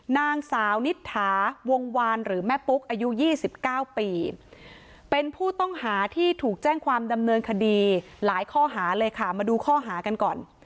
นางสาวนิษฐาวงวานหรือแม่ปุ๊กอายุ๒๙ปีเป็นผู้ต้องหาที่ถูกแจ้งความดำเนินคดีหลายข้อหาเลยค่ะมาดูข้อหากันก่อน